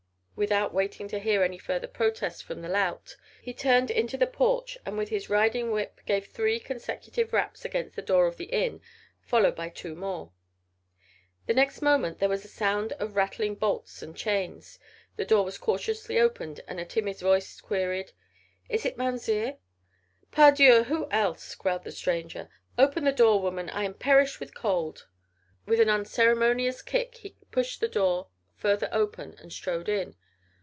Without waiting to hear any further protests from the lout, he turned into the porch and with his riding whip gave three consecutive raps against the door of the inn, followed by two more. The next moment there was the sound of a rattling of bolts and chains, the door was cautiously opened and a timid voice queried: "Is it Mounzeer?" "Pardieu! Who else?" growled the stranger. "Open the door, woman. I am perished with cold." With an unceremonious kick he pushed the door further open and strode in.